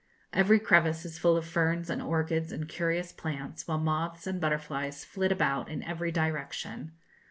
Every crevice is full of ferns and orchids and curious plants, while moths and butterflies flit about in every direction.